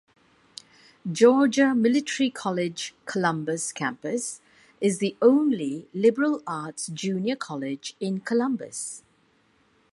Georgia Military College Columbus Campus is the only liberal arts junior college in Columbus.